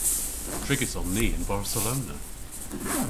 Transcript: Trigys on ni yn Barcelona.